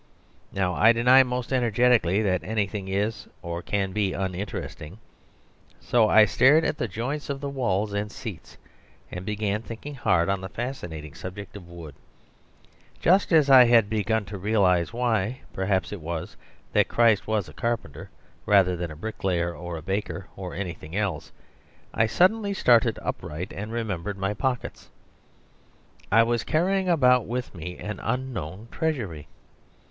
Now I deny most energetically that anything is, or can be, uninteresting. So I stared at the joints of the walls and seats, and began thinking hard on the fascinating subject of wood. Just as I had begun to realise why, perhaps, it was that Christ was a carpenter, rather than a bricklayer, or a baker, or anything else, I suddenly started upright, and remembered my pockets. I was carrying about with me an unknown treasury.